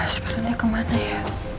sekarang dia kemana ya